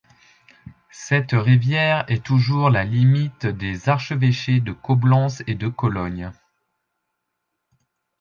Cette rivière est toujours la limite des archevêchés de Coblence et de Cologne.